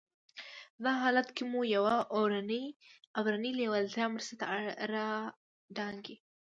په دغه حالت کې مو يوه اورنۍ لېوالتیا مرستې ته را دانګي.